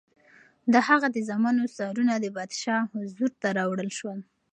د هغه د زامنو سرونه د پادشاه حضور ته راوړل شول.